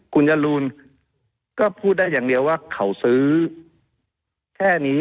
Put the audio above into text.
คุณจรูนก็พูดได้อย่างเดียวว่าเขาซื้อแค่นี้